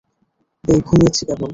এই, ঘুমিয়েছি কেবল।